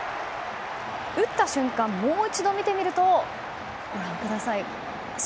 打った瞬間、もう一度見てみるとご覧ください。